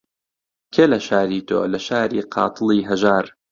کێ لە شاری تۆ، لە شاری قاتڵی هەژار